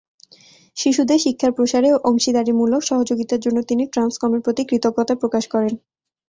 শিশুদের শিক্ষার প্রসারে অংশীদারিমূলক সহযোগিতার জন্য তিনি ট্রান্সকমের প্রতি কৃতজ্ঞতা প্রকাশ করেন।